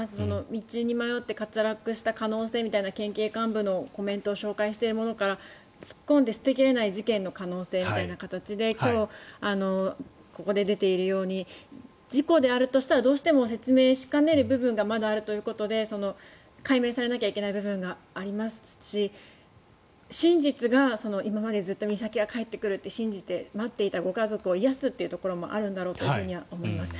道に迷って滑落した可能性みたいな県警幹部のコメントを紹介しているものから突っ込んで捨て切れない事件の可能性ということで今日ここで出ているように事故であるとしたらどうしても説明しきれない部分がまだあるということで解明されなきゃいけない部分がありますし真実が今までずっと美咲は帰ってくると信じて待っていたご家族を癒やすこともあるんだろうと思います。